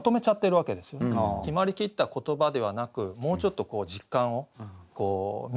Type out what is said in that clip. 決まりきった言葉ではなくもうちょっと実感を見せていく。